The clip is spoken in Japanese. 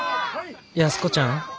「安子ちゃん。